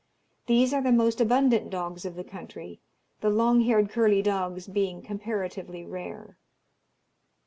These are the most abundant dogs of the country, the long haired curly dogs being comparatively rare.